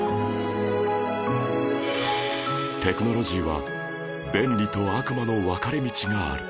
テクノロジーは便利と悪魔の分かれ道がある